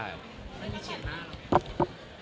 ไม่มีเฉียดหน้าหรอก